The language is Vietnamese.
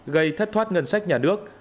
gây thất thoát ngân sách nhà nước